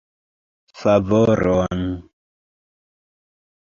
Favoron!